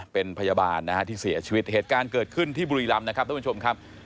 เป็นพยาบาลนะฮะที่เสียชีวิตเหตุการณ์เกิดขึ้นที่บุรีรำนะครับท่านผู้ชมครับ